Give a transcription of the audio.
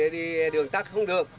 đi đường tắt không được